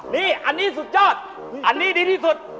นี่อันนี้สุดยอดอันนี้ดีที่สุด